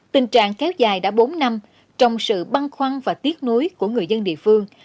tình trạng kéo dài đã bốn năm trong sự băng khoăn và tiếc núi của người dân địa phương